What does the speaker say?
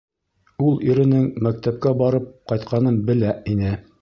Ул иренең мәктәпкә барып ҡайтҡанын белә ине.